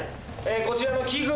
こちらの器具